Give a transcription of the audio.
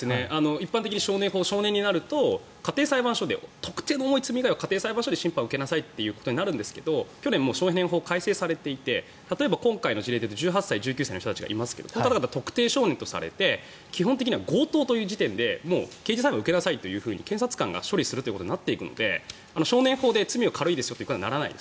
一般的に少年法少年になると特定の重い罪以外は家庭裁判所で審判を受けなさいとなるんですが去年、少年法が改正されていて今回の事例で１８歳、１９歳の人がいますが特定少年とされて基本的には強盗という時点で刑事裁判を受けなさいと検察官が処理するとなっていくので少年法で罪は軽いですよとはならない。